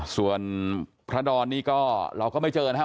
ส่วนพระดอนนี่ก็เราก็ไม่เจอนะครับ